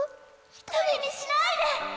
一人にしないで！